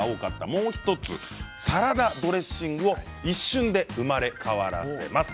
もう１つサラダドレッシングを一瞬で生まれ変わらせます。